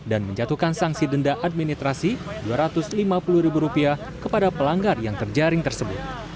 dan menjatuhkan sanksi denda administrasi rp dua ratus lima puluh kepada pelanggar yang terjaring tersebut